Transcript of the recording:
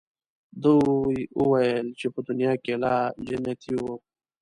دوی ویل چې په دنیا کې لا جنتیی وو.